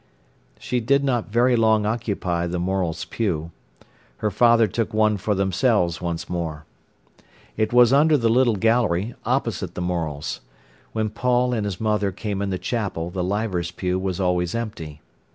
She did not very long occupy the Morels' pew. Her father took one for themselves once more. It was under the little gallery, opposite the Morels'. When Paul and his mother came in the chapel the Leivers's pew was always empty.